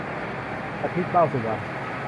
อาทิตย์ เบ้าสุวรรณ